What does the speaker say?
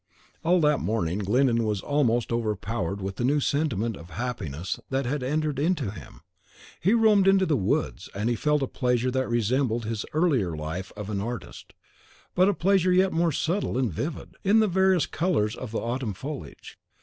All that morning Glyndon was almost overpowered with the new sentiment of happiness that had entered into him. He roamed into the woods, and he felt a pleasure that resembled his earlier life of an artist, but a pleasure yet more subtle and vivid, in the various colours of the autumn foliage.